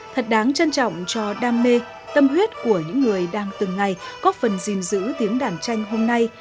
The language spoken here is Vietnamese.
thật đáng trân trọng cho đam mê tâm huyết của những người đang từng ngày góp phần gìn giữ tiếng đàn tranh hôm nay